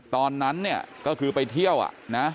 ตอนนั้นก็คือไปเที่ยวนะ